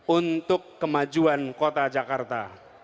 untuk kemajuan kota jakarta